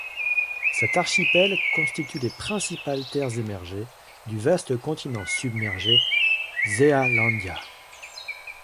Cet archipel constitue les principales terres émergées du vaste continent submergé, Zealandia.